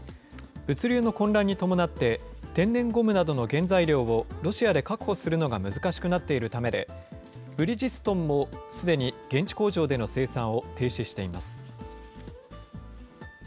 物流の混乱に伴って、天然ゴムなどの原材料をロシアで確保するのが難しくなっているためで、ブリヂストンもすでに現地工場での生産を停止しています。